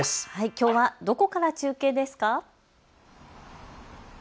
きょうはどこから中継ですか。